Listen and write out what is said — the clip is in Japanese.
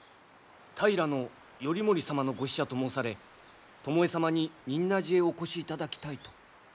平頼盛様のご使者と申され巴様に仁和寺へお越しいただきたいと。